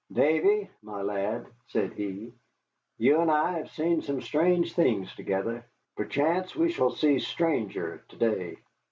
"Davy, my lad," said he, "you and I have seen some strange things together. Perchance we shall see stranger to day."